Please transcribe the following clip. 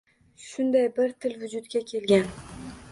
Shunday bir til vujudga kelgan.